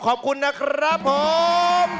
ขอบคุณนะครับผม